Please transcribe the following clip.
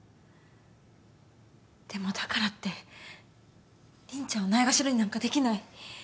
でもだからって凛ちゃんをないがしろになんかできない。